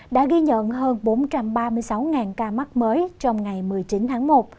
đã ghi nhận hơn bốn trăm ba mươi sáu ca mắc mới trong ngày một mươi chín tháng một